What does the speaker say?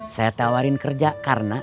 saya tawarin kerja karena